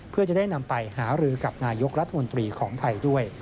เพื่อจะได้นำไปหารือกับนายกรัฐมนตรีของไทยด้วย